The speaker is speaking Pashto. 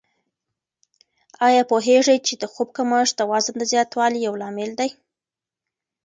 آیا پوهېږئ چې د خوب کمښت د وزن د زیاتوالي یو لامل دی؟